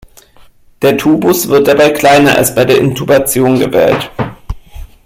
Der Tubus wird dabei kleiner als bei der Intubation gewählt.